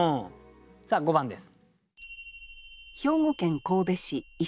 さあ５番です。